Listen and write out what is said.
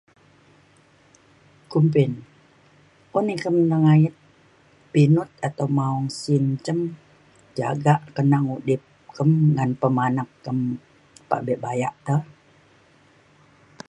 kumbin un ikem nengayet pinut atau maong sin cem jagak kenang udip kem ngan pemanak kem pabe bayak te.